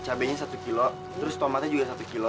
cabainya satu kilo terus tomatnya juga satu kilo